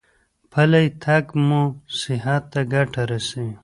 پلی تګ مو صحت ته ګټه رسوي.